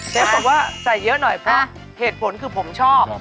บอกว่าใส่เยอะหน่อยเพราะเหตุผลคือผมชอบ